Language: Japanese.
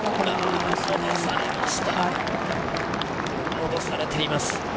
戻されています。